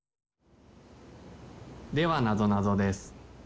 ・ではなぞなぞです。